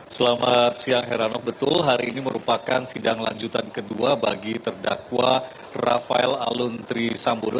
selamat siang heranok betul hari ini merupakan sidang lanjutan kedua bagi terdakwa rafael aluntri sambodo